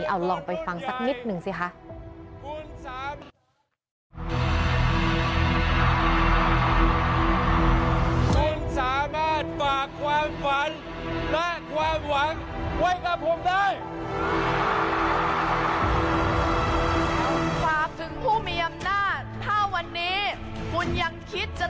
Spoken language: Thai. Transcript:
เอาลองไปฟังสักนิดหนึ่งสิคะ